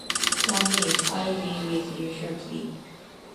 One minute, I'll be with you shortly.